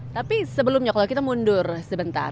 tapi sebelumnya kalau kita mundur sebentar